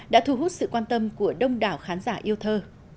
đã thu hút sự quan tâm của đông đảo khán giả yêu thơ